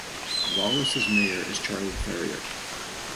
Wallace's mayor is Charlie Farrior.